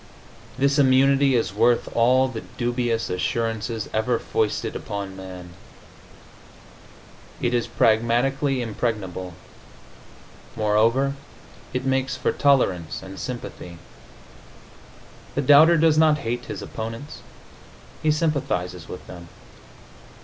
This immunity is worth all the dubious assurances ever foisted upon man. It is pragmatically impregnable.... Moreover, it makes for tolerance and sympathy. The doubter does not hate his opponents; he sympathizes with them.